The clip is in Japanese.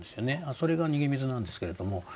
それが逃水なんですけれども。